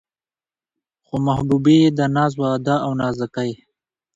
خو محبوبې يې د ناز و ادا او نازکۍ